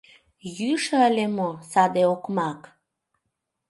— Йӱшӧ ыле мо саде окмак?